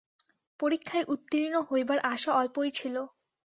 পরীক্ষায় উত্তীর্ণ হইবার আশা অল্পই ছিল।